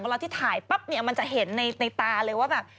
เวลาที่ถ่ายปั๊บเนี่ยมันจะเห็นในตาเลยว่าแบบ